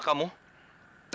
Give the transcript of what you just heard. aku akan mencobanya